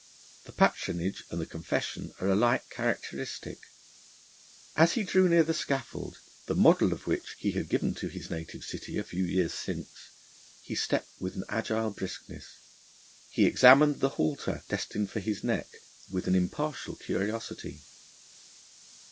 The patronage and the confession are alike characteristic. As he drew near the scaffold, the model of which he had given to his native city a few years since, he stepped with an agile briskness; he examined the halter, destined for his neck, with an impartial curiosity.